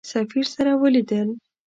سفیر سره ولیدل.